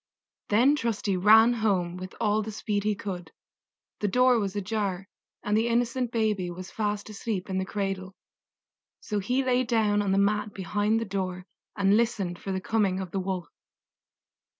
Then Trusty ran home with all the speed he could. The door was ajar, and the innocent baby was fast asleep in the cradle; so he lay down on the mat behind the door and listened for the coming of the Wolf.